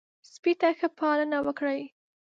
سپي ته ښه پالنه وکړئ.